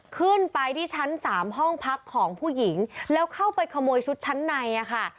ขึ้นไปที่ชั้น๓ห้องพักของผู้หญิงแล้วเข้าไปขโมยชุดชั้นในอะค่ะ